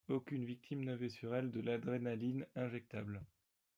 Aucune victime n'avait sur elle de l'adrénaline injectable.